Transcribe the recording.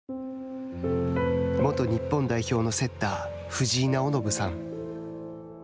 元日本代表のセッター藤井直伸さん。